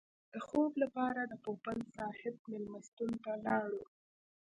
د خوب لپاره د پوپل صاحب مېلمستون ته لاړو.